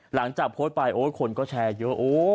หลังจากโพสต์ไปโอ๊ยคนก็แชร์เยอะ